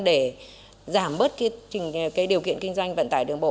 để giảm bớt cái điều kiện kinh doanh vận tải đường bộ